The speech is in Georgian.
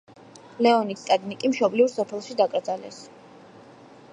ლეონიდ სტადნიკი მშობლიურ სოფელში დაკრძალეს.